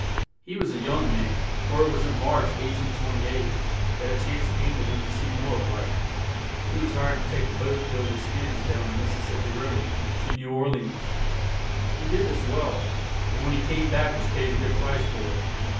He was a young man, for it was in March, 1828, that a chance came to him to see more of life; he was hired to take a boat filled with skins down the Mis sis sip pi Riv er to New Or le ans; he did this work well, and when he came back was paid a good price for it.